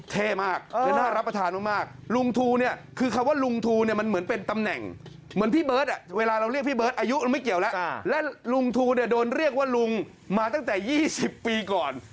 เพราะได้เป็นมื้อเย็น